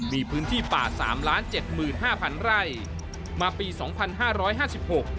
มีพื้นที่ป่าสามล้านเจ็ดหมื่นห้าพันไร่มาปีสองพันห้าร้อยห้าสิบหก